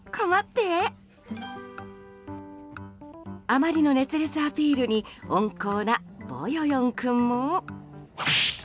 あまりの熱烈アピールに温厚なボヨヨン君も。